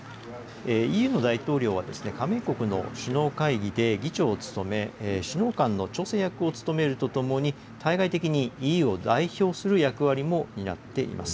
ＥＵの大統領は加盟国の首脳会議で議長を務め、首脳間の調整役を務めるとともに、対外的にＥＵを代表する役割も担っています。